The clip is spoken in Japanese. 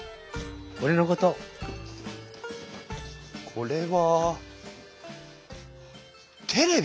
これはテレビ！